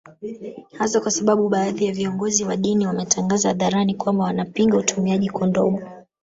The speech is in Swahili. Hasa kwa sababu baadhi ya viongozi wa dini wametangaza hadharani kwamba wanapinga utumiaji kondomu